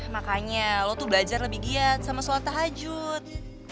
makanya lo tuh belajar lebih giat sama sholat tahajud